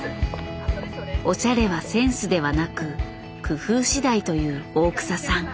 おしゃれはセンスではなく工夫次第という大草さん。